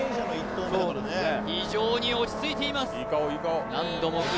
非常に落ち着いています